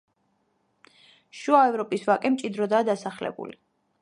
შუა ევროპის ვაკე მჭიდროდაა დასახლებული.